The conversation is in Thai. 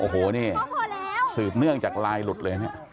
โอ้โหนี่สืบเนื่องจากไลน์หลุดเลยเนี่ย